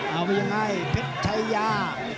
เอาไว้ยังไงเพชัยา